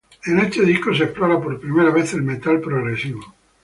En este disco se explora por primera vez el metal progresivo.